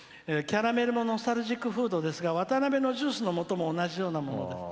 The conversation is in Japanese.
キャラメルもノスタルジックフードですが渡辺のジュースのもとも同じようなもので」。